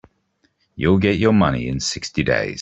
You'll get your money in sixty days.